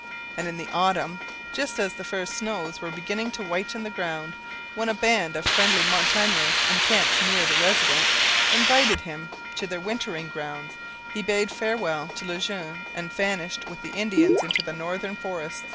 And in the autumn, just as the first snows were beginning to whiten the ground, when a band of friendly Montagnais, encamped near the residence, invited him to their wintering grounds, he bade farewell to Le Jeune and vanished with the Indians into the northern forest.